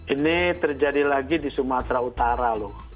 ini terjadi lagi di sumatera utara loh